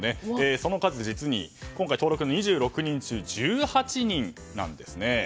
その数、実に今回、登録２６人中１８人なんですね。